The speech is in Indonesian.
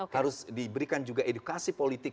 harus diberikan juga edukasi politik